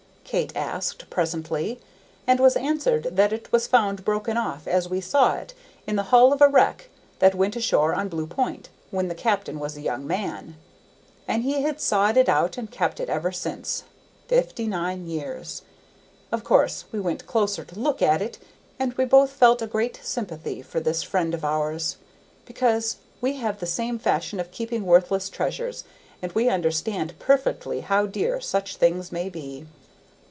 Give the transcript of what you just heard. Kate asked presently; and was answered that it was found broken off as we saw it, in the hull of a wreck that went ashore on Blue P'int when the captain was a young man, and he had sawed it out and kept it ever since, fifty nine years. Of course we went closer to look at it, and we both felt a great sympathy for this friend of ours, because we have the same fashion of keeping worthless treasures, and we understood perfectly how dear such things may be.